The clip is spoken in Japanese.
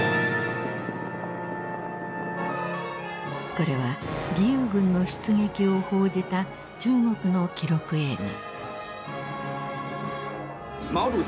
これは義勇軍の出撃を報じた中国の記録映画。